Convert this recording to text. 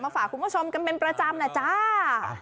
ฝากคุณผู้ชมกันเป็นประจำนะจ้า